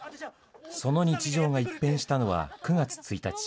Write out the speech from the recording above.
その日常が一変したのは９月１日。